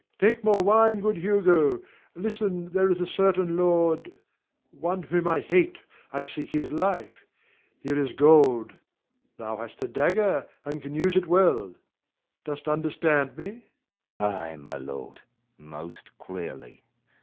Take more wine, good Hugo. Listen, there is a certain lord, one whom I hate. I seek his life. Here is gold thou hast a dagger, and can use it well. Dost understand me? Hugo. Ay, my lord, most clearly.